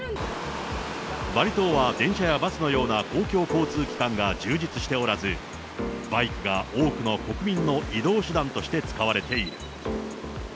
バリ島は電車やバスのような公共交通機関が充実しておらず、バイクが多くの国民の移動手段として使われている。